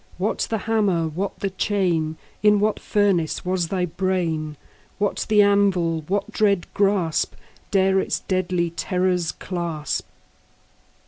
What the hammer? what the chain? In what furnace was thy brain? What the anvil? What dread grasp 15 Dare its deadly terrors clasp?